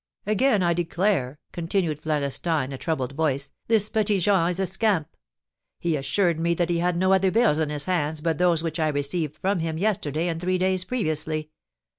"Again I declare," continued Florestan, in a troubled voice, "this Petit Jean is a scamp; he assured me that he had no other bills in his hands but those which I received from him yesterday and three days previously.